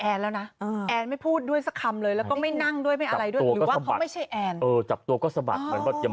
แอนแอนน่าเกลียดเหรอหนูนั่งก่อนได้ไหมแอนนั่งดีกว่าไหมนั่งคุยก่อนไหม